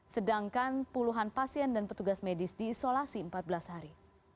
sedangkan puluhan pasien dan petugas medis diisolasi empat belas hari